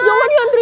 jangan ya andri